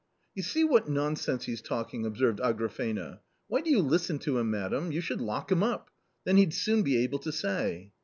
"You see what nonsense he's talking!" observed Agrafena; " why do you listen to him, madam ? You should lock him up .... then he'd soon be able to say